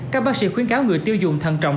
các bác sĩ khuyến cáo người tiêu dùng thận trọng